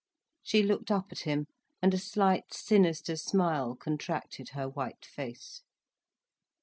She looked up at him, and a slight sinister smile contracted her white face.